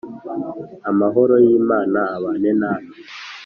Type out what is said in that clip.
amahoro y'imana abane na we